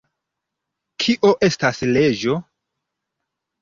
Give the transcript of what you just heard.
Kio estas leĝo?